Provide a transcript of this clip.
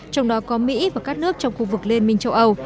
trong đó có mỹ và các nước trong khu vực liên minh châu âu